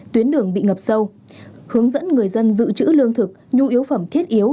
tuyến đường bị ngập sâu hướng dẫn người dân giữ chữ lương thực nhu yếu phẩm thiết yếu